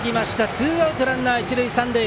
ツーアウトランナー、一塁三塁。